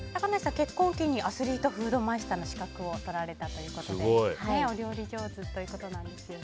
結婚を機にアスリートフードマスターの資格を取られたということでお料理上手ということなんですよね。